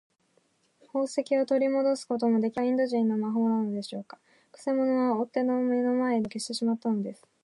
宝石をとりもどすこともできなかったのです。これがインド人の魔法なのでしょうか。くせ者は追っ手の目の前で、やすやすと姿を消してしまったのです。